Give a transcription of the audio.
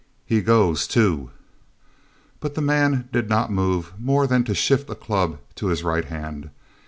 "He goes, too!" But the man did not move more than to shift a club to his right hand.